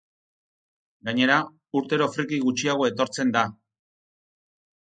Gainera, urtero friki gutxiago etortzen da.